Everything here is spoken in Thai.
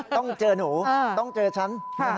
ต้องเจอหนูต้องเจอฉัน